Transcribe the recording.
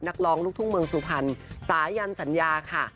นักร้องลูกทุ่งเมืองสุพรรณสายันสัญญาค่ะ